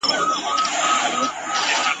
مستول چي مي جامونه هغه نه یم !.